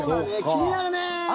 気になるねえ。